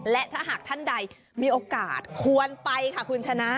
และถ้าหากท่านใดมีโอกาสควรไปค่ะคุณชนะ